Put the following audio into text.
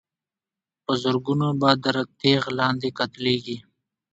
په زرګونو به تر تېغ لاندي قتلیږي